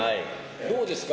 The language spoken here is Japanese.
どうですか？